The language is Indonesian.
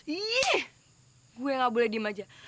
ih gue gak boleh diem aja